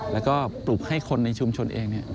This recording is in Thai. แล้วก็ปลุกให้คนในชุมชนเอง